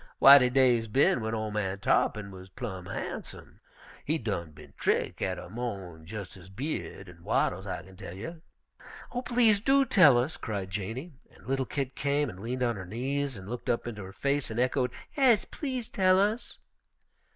W'y, de day's bin w'en ol' man Tarr'pin wuz plumb harnsum. He done bin trick' out er mo'n jes' his by'ud an' wattles, I kin tell you." "Oh, please do tell us!" cried Janey, and little Kit came and leaned on her knees and looked up into her face and echoed, "'Es, please to tell us."